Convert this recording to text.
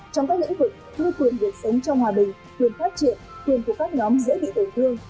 trong các lĩnh vực thư quyền việc sống trong hòa bình quyền phát triển quyền của các nhóm dễ bị tổn thương